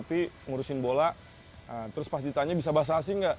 pengurusin bola terus pas ditanya bisa bahasa asing nggak